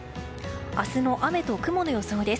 明日の雨と雲の予想です。